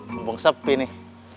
sumbung sepi nih